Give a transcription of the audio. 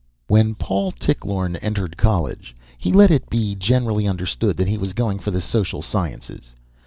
When Paul Tichlorne entered college, he let it be generally understood that he was going in for the social sciences.